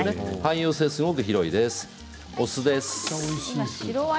汎用性がすごく広いです。